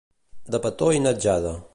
De petó i natjada.